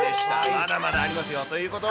まだまだありますよ。ということは。